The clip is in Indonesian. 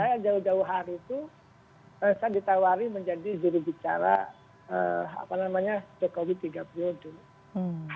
saya jauh jauh hari itu saya ditawari menjadi jurubicara jokowi tiga periode